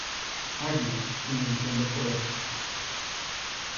Águila en Edición de Poder.